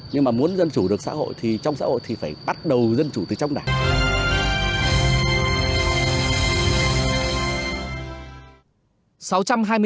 nhưng mà muốn dân chủ được xã hội thì trong xã hội thì phải bắt đầu dân chủ từ trong đảng